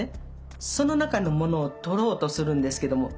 その中のものを取ろうとするんですけども